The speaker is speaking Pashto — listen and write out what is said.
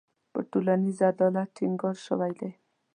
په ټولنیز عدالت ټینګار شوی دی.